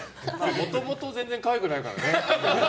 もともと全然可愛くないからね。